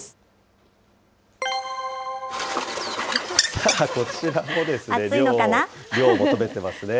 さあ、こちらもですね、涼を求めてますね。